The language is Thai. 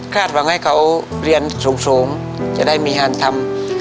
คาดหวังให้เขาเรียนสูงจะได้มีฮารธรรม